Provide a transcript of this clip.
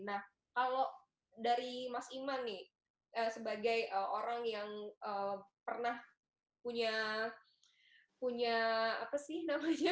nah kalau dari mas iman nih sebagai orang yang pernah punya apa sih namanya